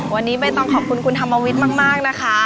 วันนี้ใบตองขอบคุณคุณธรรมวิทย์มากนะคะ